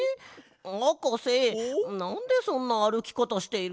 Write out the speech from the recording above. はかせなんでそんなあるきかたしているの？